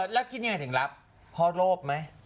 แล้วคิดยังไงถึงรับพอโลภไหม